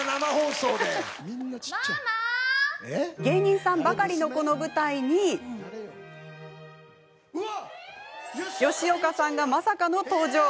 芸人さんばかりのこの舞台に吉岡さんがまさかの登場！